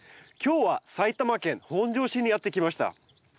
今日は埼玉県本庄市にやって来ました。